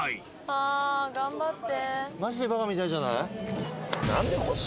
ああ頑張って。